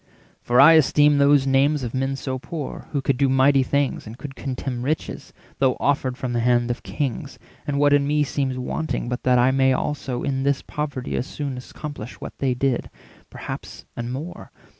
For I esteem those names of men so poor, Who could do mighty things, and could contemn Riches, though offered from the hand of kings. And what in me seems wanting but that I 450 May also in this poverty as soon Accomplish what they did, perhaps and more?